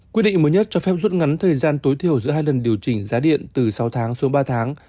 quyết định mới nhất cho phép rút ngắn thời gian tối thiểu giữa hai lần điều chỉnh giá điện từ sáu tháng xuống ba tháng